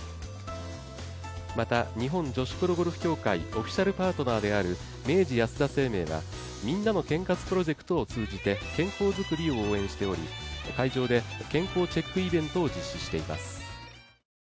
また、日本女子プロゴルフ協会オフィシャルパートナーである明治安田生命は、みんなの健活プロジェクトを通じて健康づくりを応援しており、会場で健康チェックイベントを実施しています。